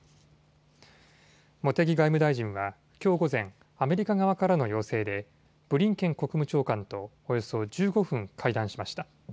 茂木外務大臣は、きょう午前、アメリカ側からの要請でブリンケン国務長官とおよそ１５分、会談しました。